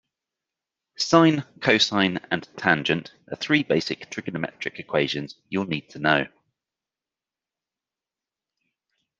Sine, cosine and tangent are three basic trigonometric equations you'll need to know.